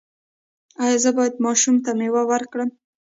ایا زه باید ماشوم ته میوه ورکړم؟